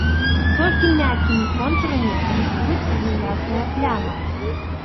Толькі мяккімі контурамі рысуецца няясная пляма.